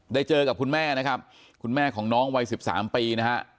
เจอกับคุณแม่นะครับคุณแม่ของน้องวัย๑๓ปีนะฮะ